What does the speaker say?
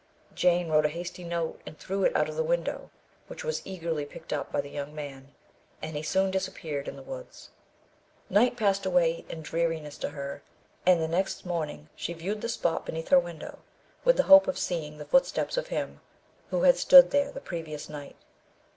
Jane wrote a hasty note and threw it out of the window, which was eagerly picked up by the young man, and he soon disappeared in the woods. Night passed away in dreariness to her, and the next morning she viewed the spot beneath her window with the hope of seeing the footsteps of him who had stood there the previous night.